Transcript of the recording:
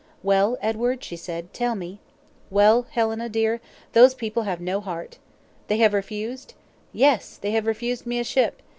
"Well, Edward?" she said; "tell me." "Well, Helena, dear; those people have no heart!" "They have refused?" "Yes. They have refused me a ship!